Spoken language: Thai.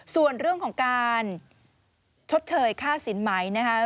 ส่วนเรื่องของการชดเชยค่าสินไหมนะคะ